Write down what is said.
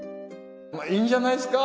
いいんじゃないですか？